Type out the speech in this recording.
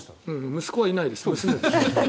息子はいないです。